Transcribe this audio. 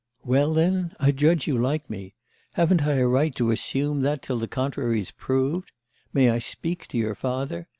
Well, then, I judge you like me. Haven't I a right to assume that till the contrary's proved? May I speak to your father?